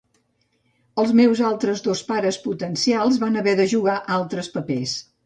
Els meus altres dos pares potencials van haver de jugar altres papers.